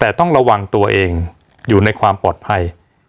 แต่ต้องระวังตัวเองอยู่ในความปลอดภัย